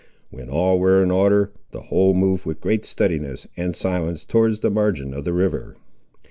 When all were in order, the whole moved with great steadiness and silence towards the margin of the river.